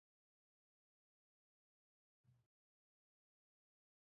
قومونه د افغانستان د بڼوالۍ یوه ډېره مهمه برخه ګڼل کېږي.